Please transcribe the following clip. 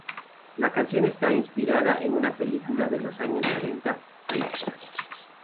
La canción está inspirada en una película de los años treinta, "Freaks".